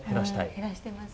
減らしてます。